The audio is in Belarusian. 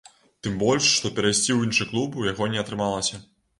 Тым больш, што перайсці ў іншы клуб у яго не атрымалася.